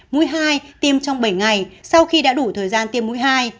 mũi hai tiêm trong bảy ngày sau khi đã đủ thời gian tiêm mũi hai